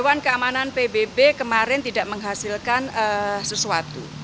dewan keamanan pbb kemarin tidak menghasilkan sesuatu